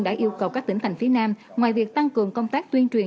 đã yêu cầu các tỉnh thành phía nam ngoài việc tăng cường công tác tuyên truyền